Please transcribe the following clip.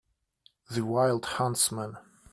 The wild huntsman.